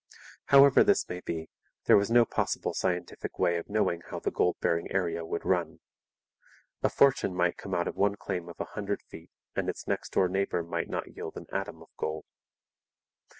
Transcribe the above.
However this may be, there was no possible scientific way of knowing how the gold bearing area would run. A fortune might come out of one claim of a hundred feet and its next door neighbour might not yield an atom of gold.